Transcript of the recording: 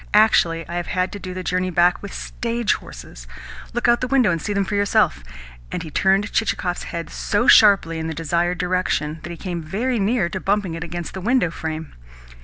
Actually, I have had to do the journey back with stage horses! Look out of the window, and see them for yourself." And he turned Chichikov's head so sharply in the desired direction that he came very near to bumping it against the window frame.